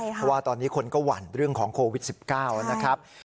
เพราะว่าตอนนี้คนก็หวั่นเรื่องของโควิด๑๙นะครับ